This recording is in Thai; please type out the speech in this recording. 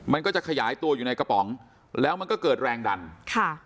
มันก็จะขยายตัวอยู่ในกระป๋องแล้วมันก็เกิดแรงดันค่ะ